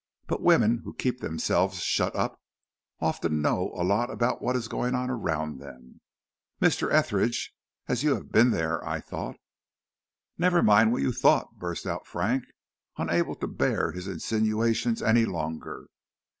But women who keep themselves shut up often know a lot about what is going on around them, Mr. Etheridge, and as you have been there I thought " "Never mind what you thought," burst out Frank, unable to bear his insinuations any longer.